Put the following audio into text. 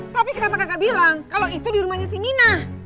tapi kenapa kakak bilang kalau itu di rumahnya si ninah